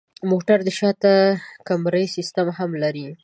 موټر د شاته کمرې سیستم هم لري.